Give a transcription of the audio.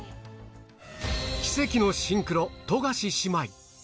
奇跡のシンクロ、富樫姉妹。